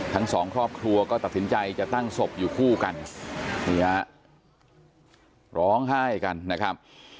ทั้งสองครอบครัวก็ตัดสินใจจะตั้งศพอยู่คู่กันนี่ฮะร้องไห้กันนะครับ